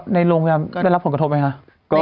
ในโรงแรมได้รับผลกระทบไหมคะ